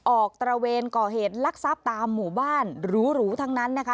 ตระเวนก่อเหตุลักษัพตามหมู่บ้านหรูทั้งนั้นนะคะ